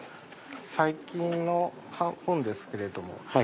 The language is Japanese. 最近の本ですけれども。